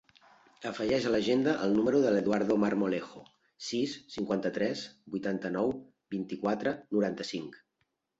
Afegeix a l'agenda el número de l'Eduardo Marmolejo: sis, cinquanta-tres, vuitanta-nou, vint-i-quatre, noranta-cinc.